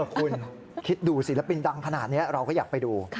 คุณคิดดูศิลปินดังขนาดนี้เราก็อยากไปดู